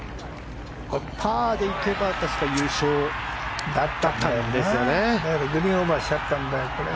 パーでいけば確か、優勝だったんだよな。